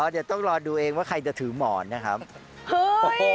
เดี๋ยวต้องรอดูเองว่าใครจะถือหมอนนะครับ